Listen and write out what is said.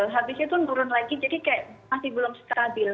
habis itu nurun lagi jadi kayak masih belum stabil